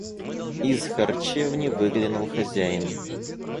Из харчевни выглянул хозяин.